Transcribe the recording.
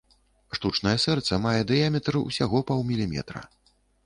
Штучнае сэрца мае дыяметр усяго паўміліметра.